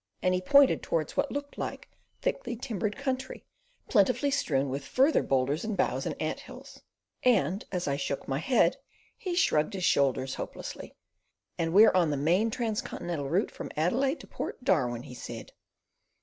and he pointed towards what looked like thickly timbered country, plentifully strewn with further boulders and boughs and ant hills; and as I shook my head, he shrugged his shoulders hopelessly. "And we're on the main transcontinental route from Adelaide to Port Darwin," he said.